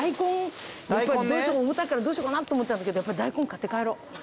どうしても重たいからどうしようかなと思ったんだけどダイコン買って帰ろう。